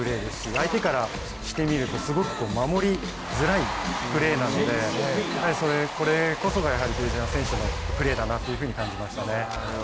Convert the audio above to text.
相手からしてみるとすごく守りづらいプレーなのでこれこそが比江島選手のプレーだなと感じましたね。